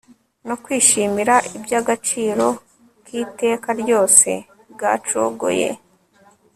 no kwishimira ibyagaciro kiteka ryose bwacogoye